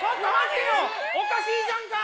おかしいじゃんか！